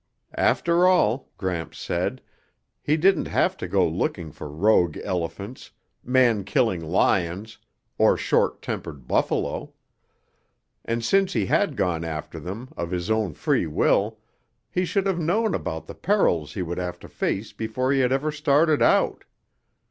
After all, Gramps said, he didn't have to go looking for rogue elephants, man killing lions or short tempered buffalo. And since he had gone after them of his own free will, he should have known about the perils he would have to face before he had ever started out.